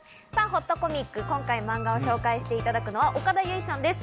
ほっとコミック、今回漫画を紹介していただくのは岡田結実さんです。